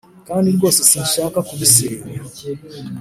kandi rwose sinshaka kubisenya.